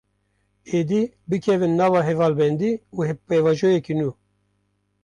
Êdî, bikevin nava hevalbendî û pêvajoyeke nû